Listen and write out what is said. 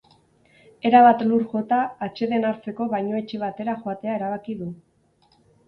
Erabat lur jota, atseden hartzeko bainuetxe batera joatea erabaki du.